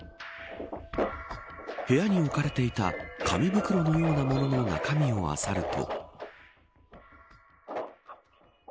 部屋に置かれていた紙袋のようなものの中身をあさると。